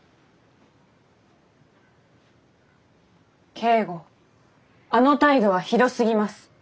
京吾あの態度はひどすぎます。